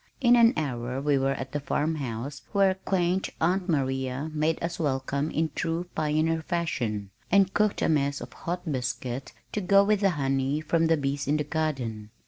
In an hour we were at the farm house where quaint Aunt Maria made us welcome in true pioneer fashion, and cooked a mess of hot biscuit to go with the honey from the bees in the garden.